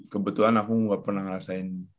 kebetulan aku nggak pernah ngerasain